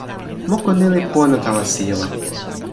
moku ni li pona tawa sijelo.